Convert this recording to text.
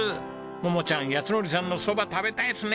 桃ちゃん靖典さんの蕎麦食べたいですね。